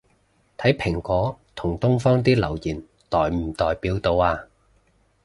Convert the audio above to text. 睇蘋果同東方啲留言代唔代表到吖